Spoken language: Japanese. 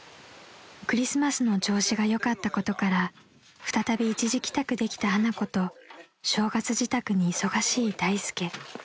［クリスマスの調子が良かったことから再び一時帰宅できた花子と正月支度に忙しい大助］